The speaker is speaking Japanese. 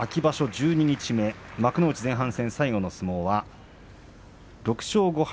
十二日目幕内前半戦最後の相撲は６勝５敗